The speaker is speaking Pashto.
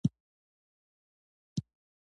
دا عضلې زموږ تر آګاهانه کنترول لاندې واقع دي.